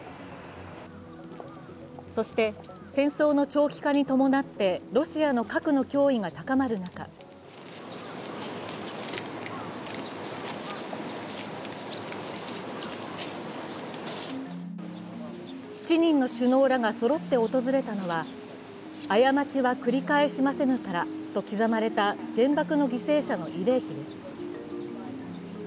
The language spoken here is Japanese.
そして、戦争の長期化に伴ってロシアの核の脅威が高まる中７人の首脳らがそろって訪れたのは過ちは繰り返しませぬからと刻まれた原爆の犠牲者の慰霊碑です。